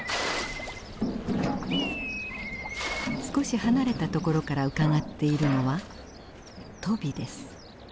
少し離れたところからうかがっているのはトビです。